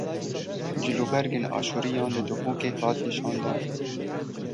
Cilûbergên Aşûriyan li Duhokê hat nîşandan.